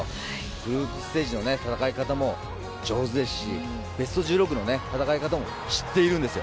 グループステージの戦い方も上手ですしベスト１６の戦い方も知っているんですよ。